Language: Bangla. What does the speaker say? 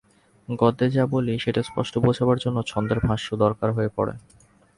গদ্যে যা বলি সেটা স্পষ্ট বোঝাবার জন্যে ছন্দের ভাষ্য দরকার হয়ে পড়ে।